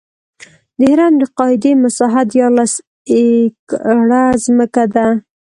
د هرم د قاعدې مساحت دیارلس ایکړه ځمکه ده.